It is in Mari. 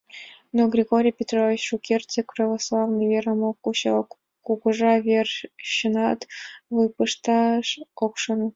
Но Григорий Петрович шукертсек православный верам ок кучо, кугыжа верчынат вуй пышташ ок шоно.